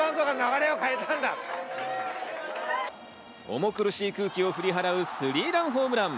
重苦しい空気を振り払うスリーランホームラン！